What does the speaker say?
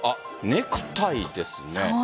ネクタイですね。